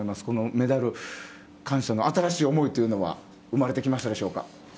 このメダル感謝の新しい気持ちというのは生まれてきましたか。